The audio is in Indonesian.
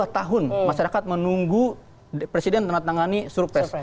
dua tahun masyarakat menunggu presiden menantangani surpres